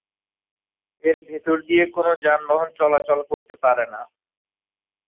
এর ভেতর দিয়ে কোন যানবাহন চলাচল করতে পারে না।